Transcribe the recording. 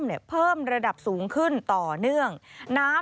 สวัสดีค่ะสวัสดีค่ะ